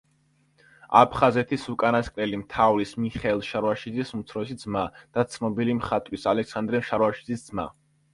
აფხაზეთის უკანასკნელი მთავრის მიხეილ შარვაშიძის უმცროსი ძმა და ცნობილი მხატვრის ალექსანდრე შარვაშიძის მამა.